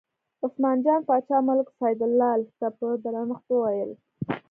عثمان جان باچا ملک سیدلال ته په درنښت وویل.